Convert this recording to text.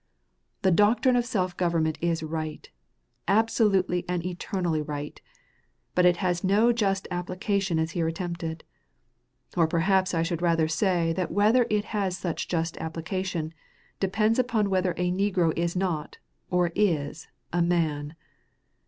The doctrine of self government is right, absolutely and eternally right, but it has no just application as here attempted. Or perhaps I should rather say that whether it has such just application, depends upon whether a negro is not, or is, a man.